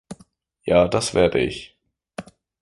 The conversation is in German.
Ja, das werde ich.